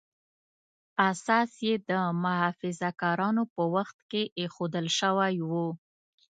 اساس یې د محافظه کارانو په وخت کې ایښودل شوی و.